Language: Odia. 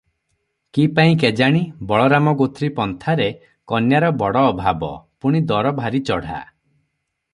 କିପାଇଁ କେଜାଣି, ବଳରାମଗୋତ୍ରୀ ପନ୍ଥାରେ କନ୍ୟାର ବଡ଼ ଅଭାବ, ପୁଣି ଦର ଭାରି ଚଢ଼ା ।